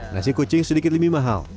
nasi kucing sedikit lebih mahal